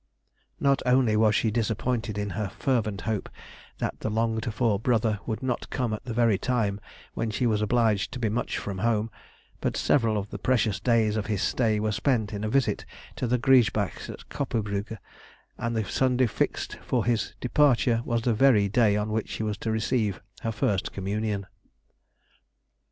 Not only was she disappointed in her fervent hope that the longed for brother would not come at the very time when she was obliged to be much from home, but several of the precious days of his stay were spent in a visit to the Griesbachs at Coppenbrügge, and the Sunday fixed for his departure was the very day on which she was to receive her first communion. [Sidenote: 1764 1767. _Early Recollections.